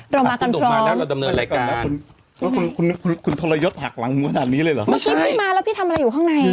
เรามากันพร้อมคุณหนุ่มมาแล้วเราก็ดำเนินรายการ